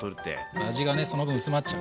味がねその分薄まっちゃうから。